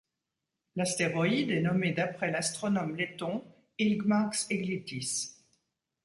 L'astéroïde est nommé d'après l'astronome letton Ilgmārs Eglītis.